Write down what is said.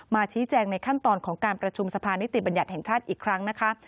ชี้แจงในขั้นตอนของการประชุมสภานิติบัญญัติแห่งชาติอีกครั้งนะคะ